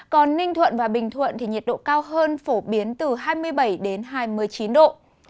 còn ninh thuận và bình thuận thì nhiệt độ cao hơn phổ biến từ hai mươi bảy đến hai mươi chín độ